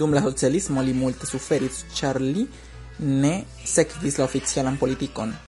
Dum la socialismo li multe suferis, ĉar li ne sekvis la oficialan politikon.